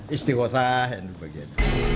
istiqosah nu bagian